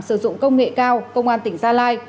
sử dụng công nghệ cao công an tỉnh gia lai